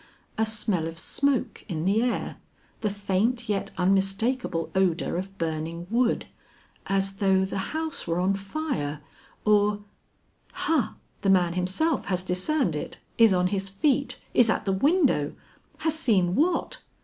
A smell of smoke in the air, the faint yet unmistakable odor of burning wood, as though the house were on fire, or Ha! the man himself has discerned it, is on his feet, is at the window, has seen what?